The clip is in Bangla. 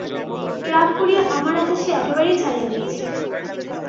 রাগ করিয়া আমার আশা সে একেবারেই ছাড়িয়া দিয়াছে।